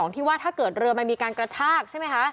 ที่ว่าถ้าเกิดเรือมันมีการกระชากใช่ไหมคะ